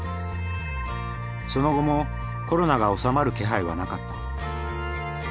その後もコロナがおさまる気配はなかった。